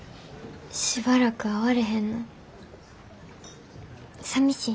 しばらく会われへんのさみしいな。